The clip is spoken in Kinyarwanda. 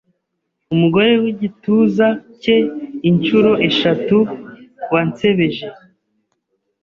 umugore wigituza cye Inshuro eshatu wansebeje